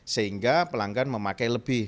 sehingga pelanggan memakai lebih